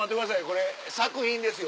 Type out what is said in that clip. これ作品ですよ。